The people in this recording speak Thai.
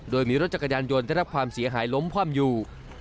โดยมีรถจักรยานยนต์ได้รับความเสียหายล้มคว่ำอยู่